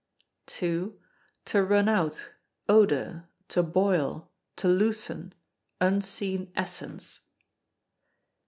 To run out, odour, to boil, to loosen, unseen essence.